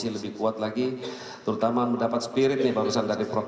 lebih kuat lagi terutama mendapat spirit nih barusan dari prof